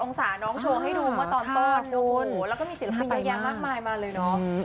องศาน้องโชว์ให้ดูเมื่อตอนต้นแล้วก็มีศิลปินเยอะแยะมากมายมาเลยเนาะ